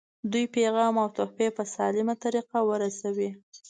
دوی پیغام او تحفې په سالمه طریقه ورسوي.